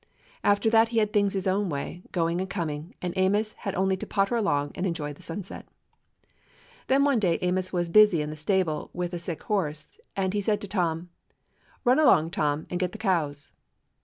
After that he had things his own way, going and coming, and Amos had only to potter along and enjoy the sunset. 241 DOG HEROES OF MANY LANDS Then one day Amos was busy in the stable with a sick horse, and he said to Tom : "Run along, Tom, and get the cows."